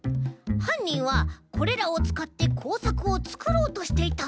はんにんはこれらをつかってこうさくをつくろうとしていた。